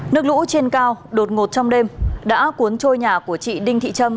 nước lũ trên cao đột ngột trong đêm đã cuốn trôi nhà của chị đinh thị trâm